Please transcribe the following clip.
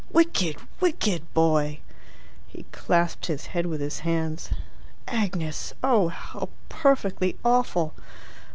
"Wicked, wicked boy!" He clasped his head with his hands. "Agnes! Oh how perfectly awful!"